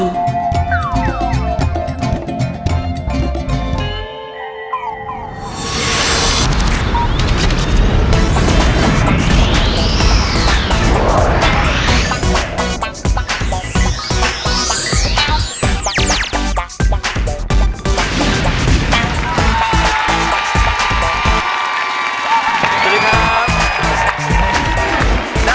สวัสดีครับ